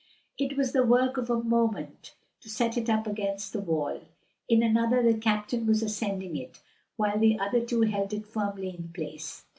It was the work of a moment to set it up against the wall; in another the captain was ascending it, while the other two held it firmly in place.